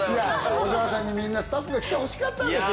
小澤さんにみんなスタッフが来てほしかったんですよ。